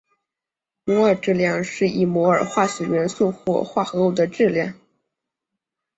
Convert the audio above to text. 摩尔质量是一摩尔化学元素或者化合物的质量。